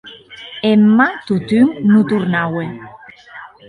Emma, totun, non tornaue.